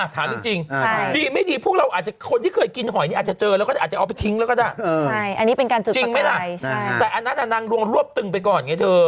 แต่ระนังนั่งร่วมร่วบตึงไปก่อน